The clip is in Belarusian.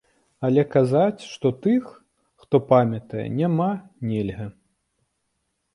Але казаць, што тых, хто памятае, няма, нельга.